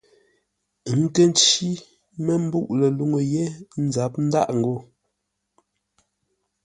Ə́ nkə́ ncí mə́ mbûʼ ləluŋú yé ńzáp ńdâʼ ngô.